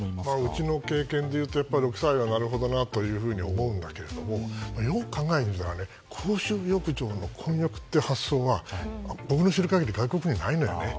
うちの経験でいうと６歳はなるほどなと思うんだけれどもよく考えてみたら公衆浴場の混浴って発想は僕の知る限り外国にはないんだよね。